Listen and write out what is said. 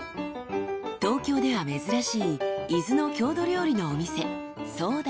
［東京では珍しい伊豆の郷土料理のお店］